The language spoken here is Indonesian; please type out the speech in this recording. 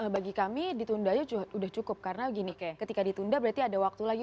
bagi kami ditundanya sudah cukup karena gini ketika ditunda berarti ada waktu lagi